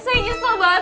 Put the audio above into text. saya nyesel banget